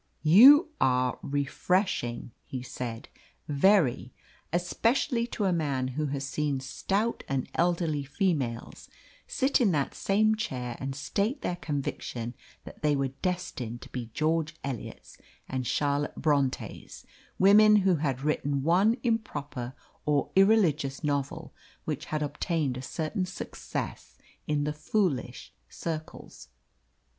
"You are refreshing," he said, "very, especially to a man who has seen stout and elderly females sit in that same chair and state their conviction that they were destined to be George Eliots or Charlotte Brontes, women who had written one improper or irreligious novel, which had obtained a certain success in the foolish circles."